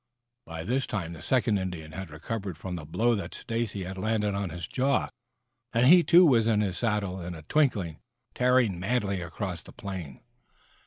By this time, the second Indian had recovered from the blow that Stacy had landed on his jaw, and he too was in his saddle in a twinkling, tearing madly cross the plain.